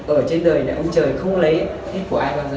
ở trên đời này ông trời không lấy hết của ai bao giờ